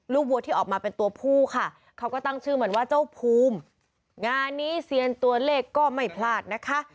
วัวที่ออกมาเป็นตัวผู้ค่ะเขาก็ตั้งชื่อมันว่าเจ้าภูมิงานนี้เซียนตัวเลขก็ไม่พลาดนะคะ